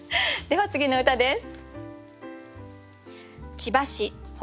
では次の歌です。